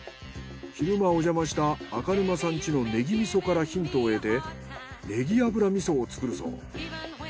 昼間おじゃました赤沼さんちのネギ味噌からヒントを得てネギ油味噌を作るそう。